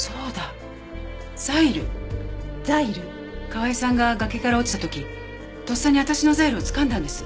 河合さんが崖から落ちた時とっさに私のザイルをつかんだんです。